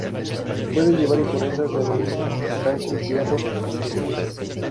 Puede llevar impurezas de aluminio, calcio, hierro o silicio.